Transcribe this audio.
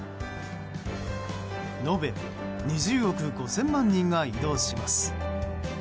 延べ２０億５０００万人が移動します。